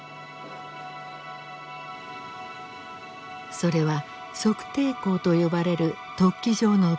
それは測定口と呼ばれる突起状の部分。